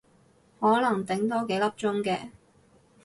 可能頂多幾粒鐘嘅